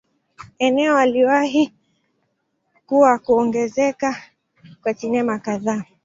Eneo aliwahi kuwa kuongezeka kwa sinema kadhaa.